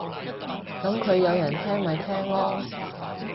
噉佢有人聽咪聽囉